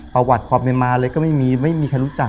ประวัติความเป็นมาเลยก็ไม่มีใครรู้จัก